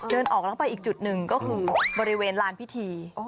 เดินออกแล้วไปอีกจุดหนึ่งก็คือบริเวณลานพิธี